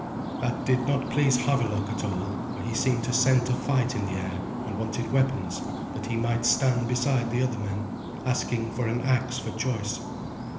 That did not please Havelok at all, for he seemed to scent a fight in the air, and wanted weapons, that he might stand beside the other men, asking for an axe for choice.